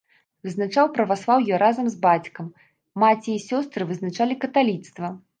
Вызначаў праваслаўе разам з бацькам, маці і сёстры вызначалі каталіцтва.